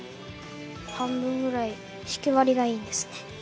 半分ぐらいひき割りがいいんですね。